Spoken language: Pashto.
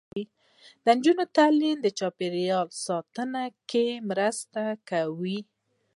د نجونو تعلیم د چاپیریال ساتنه کې مرسته کوي.